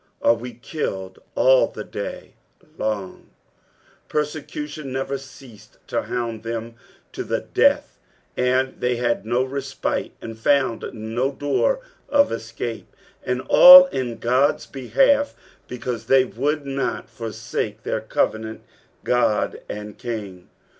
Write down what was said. "Are we killed ail the day long," Persecution never ceased to hound them to the death, they had no respite and found no dcor of escape ; and all in God's behalf, because they would not foraake their covenant God and King.